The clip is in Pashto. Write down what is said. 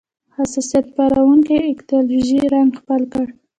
حساسیت پاروونکی ایدیالوژیک رنګ خپل کړ